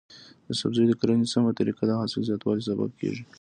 د سبزیو د کرنې سمه طریقه د حاصل زیاتوالي سبب کیږي.